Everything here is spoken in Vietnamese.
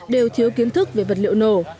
đều thiếu kiến thức về vật liệu nổ